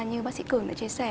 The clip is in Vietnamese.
như bác sĩ cường đã chia sẻ